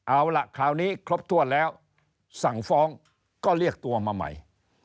เอาล่ะคราวนี้ครบถ้วนแล้วสั่งฟ้องก็เรียกตัวมาใหม่